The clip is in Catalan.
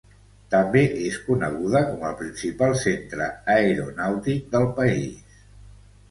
També és coneguda com el principal centre aeronàutic del país.